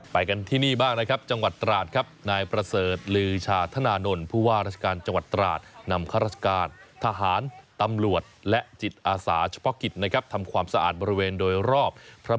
ไปกันที่นี่บ้างนะครับจังหวัดตราตรครับ